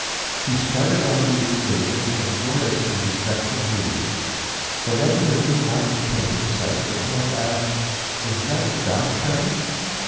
He started on the excursion in a joyously expectant mood. Whenever a new mountain came in sight the boy asked, "Is that the Dachstein?"